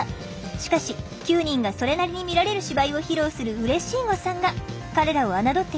しかし９人がそれなりに見られる芝居を披露するうれしい誤算が。